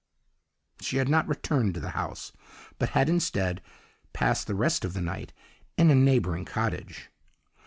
She had not returned to the house, but had, instead, passed the rest of the night in a neighbouring cottage.